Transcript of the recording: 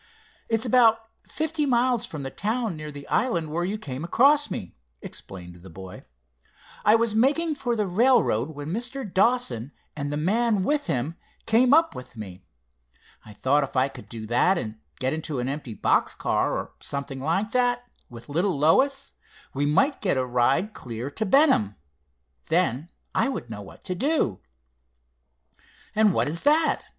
"It's about fifty miles from the town near the island where you came across me," explained the boy. "I was making for the railroad when Mr. Dawson and the man with him came up with me. I thought if I could do that, and get into an empty box car, or something like that, with little Lois, we might get a ride clear to Benham. Then I would know what to do." "And what is that?"